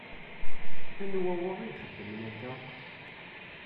Anwa wa i ixedmen akka?